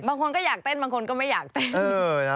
บางคนก็อยากเต้นบางคนก็ไม่อยากเต้น